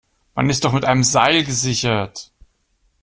Man ist doch mit einem Seil gesichert!